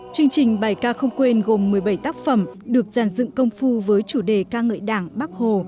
chương trình bài ca không quên gồm một mươi bảy tác phẩm được giàn dựng công phu với chủ đề ca ngợi đảng bắc hồ